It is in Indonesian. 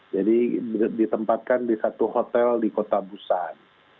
jadi ditempatkan di satu hotel di kota busan